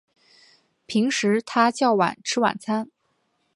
平时他较晚吃晚餐